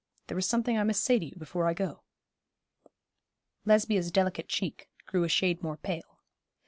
There is something I must say to you before I go.' Lesbia's delicate cheek grew a shade more pale.